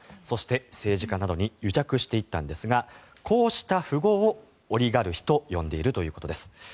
そして政治家などに癒着していったんですがこうした富豪をオリガルヒと呼んでいるということです。